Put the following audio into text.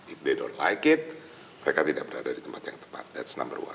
kalau mereka tidak suka mereka tidak berada di tempat yang tepat itu yang pertama